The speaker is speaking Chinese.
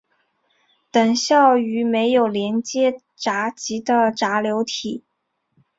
等效于没有连接闸极的闸流体。